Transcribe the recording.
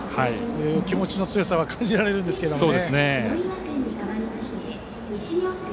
気持ちの強さは感じられるんですけどね。